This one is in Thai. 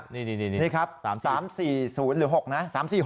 นี่ครับ๓๓๔๐หรือ๖นะ